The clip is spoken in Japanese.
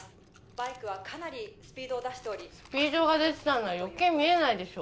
バイクはかなりスピードを出しておりスピードが出てたんなら余計見えないでしょ